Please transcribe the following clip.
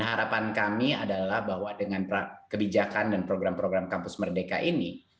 harapan kami adalah bahwa dengan kebijakan dan program program kampus merdeka ini